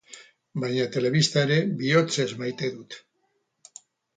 Baina telebista ere bihotzez maite dut.